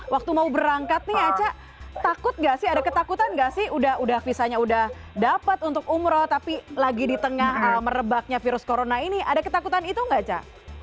waktu mau berangkat nih aca takut gak sih ada ketakutan nggak sih udah visanya udah dapat untuk umroh tapi lagi di tengah merebaknya virus corona ini ada ketakutan itu nggak ca